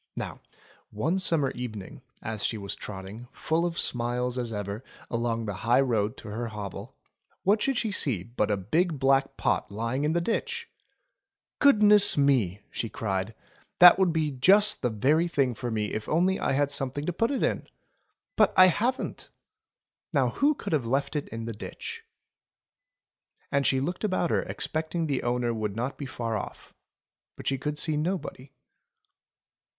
Now one summer evening, as she was trotting, full of smiles as ever, along the high road to her hovel, what should she see but a big black pot lying in the ditch ! "Goodness me 1" she cried, *'that would be just the very thing for me if I only had something to put in it ! But I haven't ! Now who could have left it in the ditch V And she looked about her expecting the owner would not be far off ; but she could see nobody.